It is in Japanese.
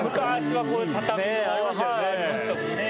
はいありましたもんね。